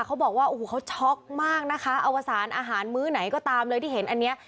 เขาบอกว่าโอ้โหเขาช็อกมากนะคะอวสารอาหารมื้อไหนก็ตามเลยที่เห็นอันนี้